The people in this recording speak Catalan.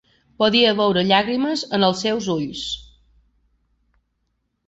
Podia veure llàgrimes en els seus ulls.